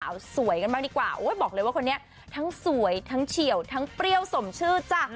สาวสวยกันบ้างดีกว่าโอ้ยบอกเลยว่าคนนี้ทั้งสวยทั้งเฉียวทั้งเปรี้ยวสมชื่อจ้ะ